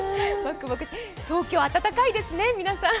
東京は暖かいですね、皆さん。